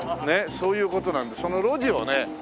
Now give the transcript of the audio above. そういう事なのでその路地をね